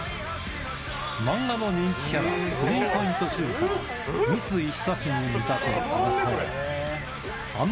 漫画の人気キャラ、スリーポイントシューター、三井寿に見立て、投稿。